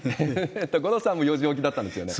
五郎さんも４時起きだったんですよね？